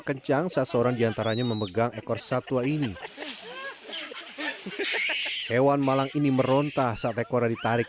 kencang seseorang diantaranya memegang ekor satwa ini hewan malang ini merontah saat ekornya ditarik